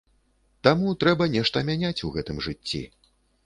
Таму трэба нешта мяняць у гэтым жыцці.